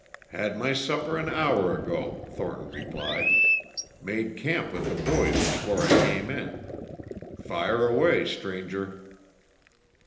"Had my supper an hour ago," Thornton replied. "Made camp with the boys before I came in. Fire away, Stranger."